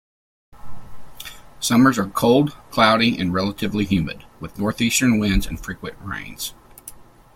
Summers are cold, cloudy and relatively humid, with northeastern winds and frequent rains.